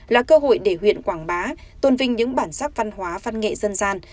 là cơ hội để huyện quảng bá tôn vinh những bản sắc văn hóa văn nghệ dân gian